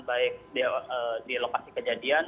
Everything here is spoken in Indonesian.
baik di lokasi kejadian